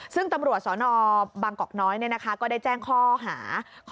ซึ่งตำรวจสนบางกอกน้อยก็ได้แจ้งข้อหา